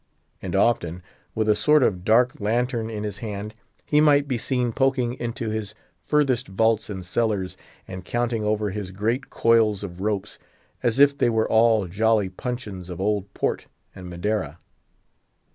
And often, with a sort of dark lantern in his hand, he might be seen poking into his furthest vaults and cellars, and counting over his great coils of ropes, as if they were all jolly puncheons of old Port and Madeira.